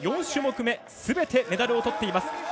４種目すべてメダルをとっています。